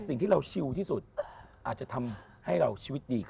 สิ่งที่เราชิวที่สุดอาจจะทำให้เราชีวิตดีขึ้น